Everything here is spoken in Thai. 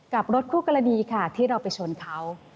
กับรถคู่กรณีค่ะที่เราไปชนเขา